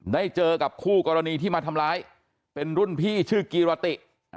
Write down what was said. ได้เจอกับคู่กรณีที่มาทำร้ายเป็นรุ่นพี่ชื่อกีรติ